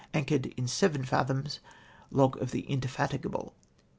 Anchored in 7 fathoms.'" {Log of Indefatigable.)